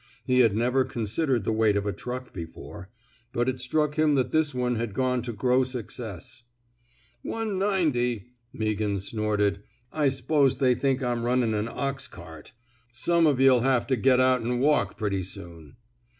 He had never con sidered the weight of a truck before, but it struck him that this one had gone to gross excess. One ninety! '* Meaghan snorted. I s'pose they think I'm runnin* an ox cart. Some of yuh'U have to get out an* walk pretty soon.